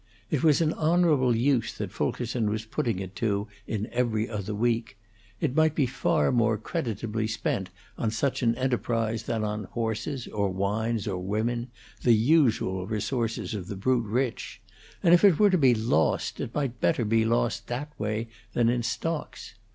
It was an honorable use that Fulkerson was putting it to in 'Every Other Week;' it might be far more creditably spent on such an enterprise than on horses, or wines, or women, the usual resources of the brute rich; and if it were to be lost, it might better be lost that way than in stocks.